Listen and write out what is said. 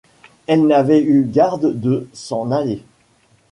Elle n’avait eu garde de s’en aller.